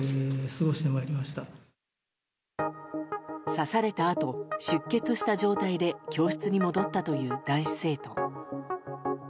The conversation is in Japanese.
刺されたあと、出血した状態で教室に戻ったという男子生徒。